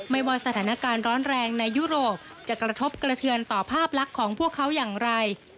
ว่าสถานการณ์ร้อนแรงในยุโรปจะกระทบกระเทือนต่อภาพลักษณ์ของพวกเขาอย่างไร